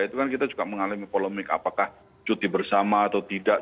itu kan kita juga mengalami polemik apakah cuti bersama atau tidak